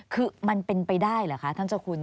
คือมันเป็นไปได้เหรอคะท่านเจ้าคุณ